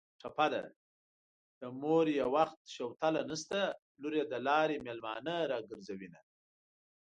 ټپه ده: د مور یې وخت شوتله نشته لور یې د لارې مېلمانه راګرځوینه